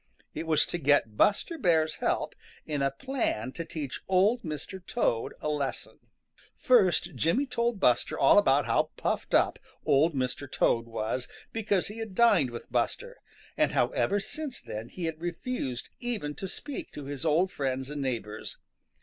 It was to get Buster Bear's help in a plan to teach Old Mr. Toad a lesson. First Jimmy told Buster all about how puffed up Old Mr. Toad was because he had dined with Buster, and how ever since then he had refused even to speak to his old friends and neighbors.